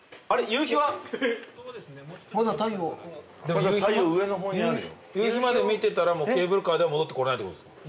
夕日まで見てたらもうケーブルカーでは戻ってこれないってことですか？